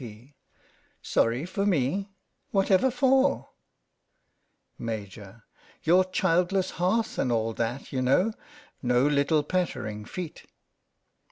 : Sorry for me ? Whatever for ? Maj\: Your childless hearth and all that, you know. No little pattering feet.